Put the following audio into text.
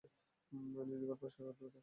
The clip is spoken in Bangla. নিজের ঘর পরিষ্কার করতে পারো?